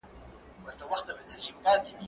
زه مخکي نان خوړلی و!!